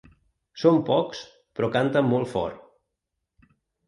Són pocs però canten molt fort.